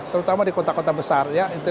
terutama di kota kota besar